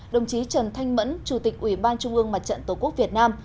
đồng chí trần thanh mẫn chủ tịch ủy ban trung ương mặt trận tổ quốc việt nam